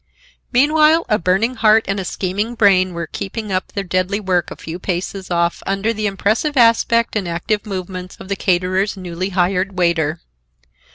Meanwhile, a burning heart and a scheming brain were keeping up their deadly work a few paces off under the impassive aspect and active movements of the caterer's newly hired waiter.